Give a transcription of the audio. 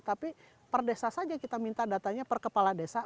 tapi per desa saja kita minta datanya per kepala desa